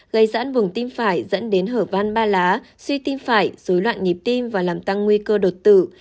gây giãn vùng tim phải dẫn đến hở van ba lá suy tim phải dối loạn nhịp tim và làm tăng nguy cơ đột tử